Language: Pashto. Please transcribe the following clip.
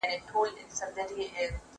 زه بايد مېوې وچوم؟!